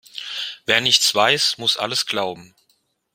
Wer nichts weiß, muss alles glauben.